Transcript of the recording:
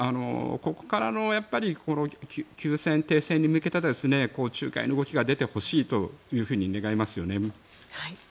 ここからの休戦、停戦に向けた仲介の動きが出てほしいというふうに願いますよね。